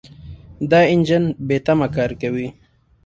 دا انجن بېتمه کار کوي.